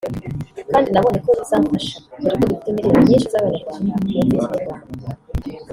kandi nabonye ko bizamfasha dore ko dufite miliyoni nyinshi z’abanyarwanda bumva ikinyarwanda